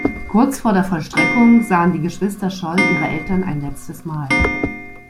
Kurz vor der Vollstreckung sahen die Geschwister Scholl ihre Eltern ein letztes Mal.